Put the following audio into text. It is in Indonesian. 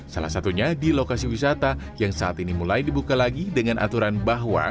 salah satunya di lokasi wisata yang saat ini mulai dibuka lagi dengan aturan bahwa